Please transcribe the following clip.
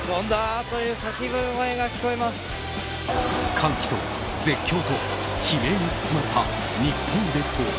歓喜と絶叫と悲鳴に包まれた日本列島。